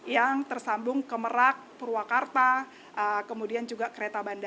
yang tersambung ke merak purwakarta kemudian juga kereta bandara